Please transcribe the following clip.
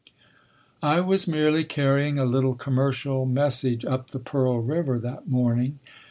"I was merely carrying a little commercial message up the Pearl River that morning.